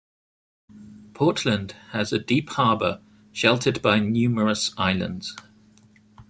Portland has a deep harbor sheltered by numerous islands.